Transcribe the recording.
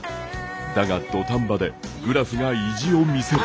だが土壇場でグラフが意地を見せる。